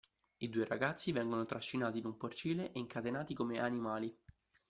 I due ragazzi vengono trascinati in un porcile e incatenati, come animali.